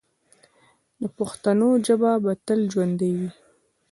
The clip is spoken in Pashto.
د پښتنو ژبه به تل ژوندی وي.